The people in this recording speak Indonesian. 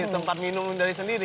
tempat minum dari sendiri